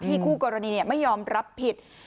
คู่กรณีไม่ยอมรับผิด